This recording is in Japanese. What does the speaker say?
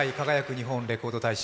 日本レコード大賞」